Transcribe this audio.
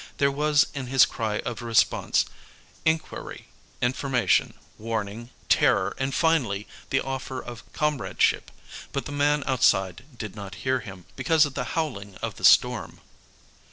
There was in his cry of response inquiry, information, warning, terror, and finally, the offer of comradeship; but the man outside did not hear him, because of the howling of the storm.